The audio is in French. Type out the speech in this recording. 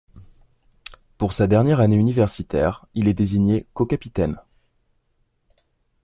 Pour sa dernière année universitaire, il est désigné co-capitaine.